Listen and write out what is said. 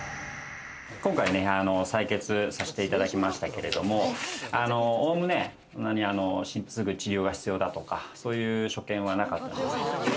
今回、採血させていただきましたけれども、おおむねすぐ治療が必要だとか、そういう所見はなかったです。